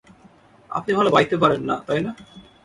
আপনি ভালো বাইতে পারেন না, তাই না?